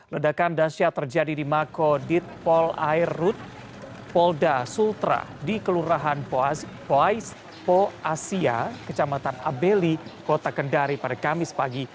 ledakan dasyat terjadi di mako ditpol airut polda sultra di kelurahan poasya kecamatan abeli kota kendari pada kamis pagi